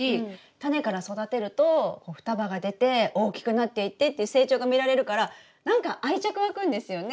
タネから育てると双葉が出て大きくなっていってっていう成長が見られるからなんか愛着湧くんですよね。